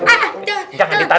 ustadz jangan dibuka